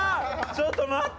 ちょっと待って。